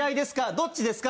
どっちですか？